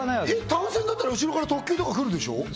単線だったら後ろから特急とか来るでしょ？